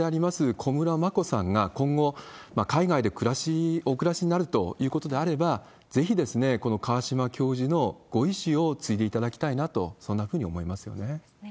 小室眞子さんが、今後、海外でお暮しになるということであれば、ぜひこの川嶋教授のご遺志を継いでいただきたいなと、そうですね。